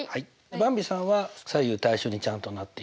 ばんびさんは左右対称にちゃんとなっています。